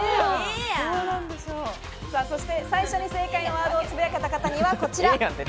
最初に正解のワードをつぶやけた方にはこちら。